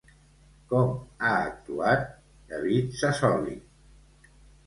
Com ha actuat David Sassoli?